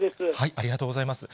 ありがとうございます。